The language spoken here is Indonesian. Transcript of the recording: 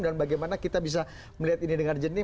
dan bagaimana kita bisa melihat ini dengan jenis